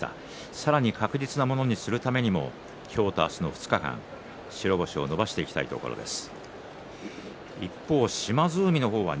さらに確実なものにするためにも今日と明日の２日間白星を伸ばしていきたいところです。